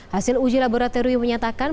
hasil uji laboratorium menyatakan